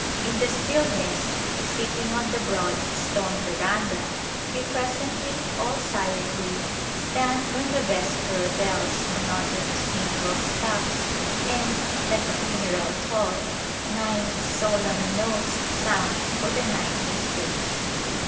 In the stillness, sitting on the broad stone verandah, we presently all silently stand when the vesper bell's monotonous tinkle stops, and, like a funeral toll, nine solemn notes sound for the Nine Mysteries.